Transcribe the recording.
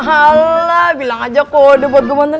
alah bilang aja kok udah buat gue bantuin